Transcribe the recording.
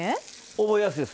覚えやすいです。